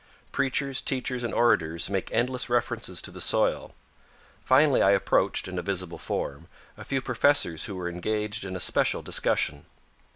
Preachers, teachers and orators make endless references to the soil. Finally I approached, in a visible form, a few professors who were engaged in a special discussion.